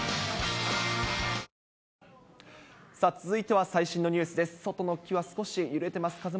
続いては最新のニュースです。